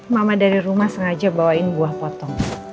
mama dari rumah sengaja bawain buah potong